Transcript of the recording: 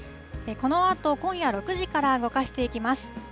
このあと今夜６時から動かしていきます。